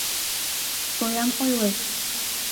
Шоям ойлет...